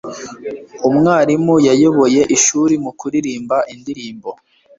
Umwarimu yayoboye ishuri mu kuririmba indirimbo.